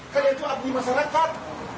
kalian tuh abdi masyarakat